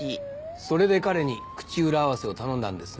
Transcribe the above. それで彼に口裏合わせを頼んだんですね？